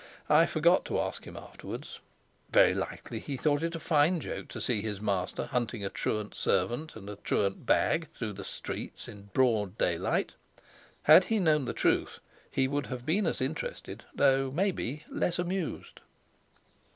I forgot to ask him afterwards. Very likely he thought it a fine joke to see his master hunting a truant servant and a truant bag through the streets in broad daylight. Had he known the truth, he would have been as interested, though, maybe, less amused.